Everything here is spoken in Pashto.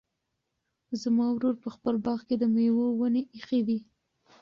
زما ورور په خپل باغ کې د مېوو ونې ایښي دي.